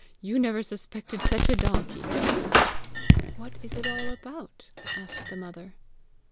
You never suspected such a donkey!" "What is it all about?" asked the mother.